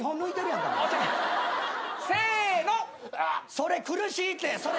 それ苦しいって。